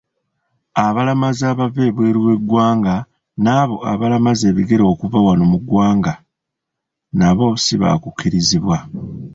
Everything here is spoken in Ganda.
Abalamazi abava ebweru w’eggwanga n’abo abalamaza ebigere okuva wano mu ggwanga, nabo sibaakukkirizibwa.